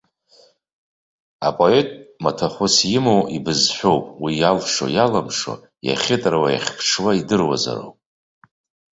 Апоет маҭәахәыс имоу ибызшәоуп, уи иалшо-иалымшо, иахьытыруа-иахьԥҽуа идыруазароуп.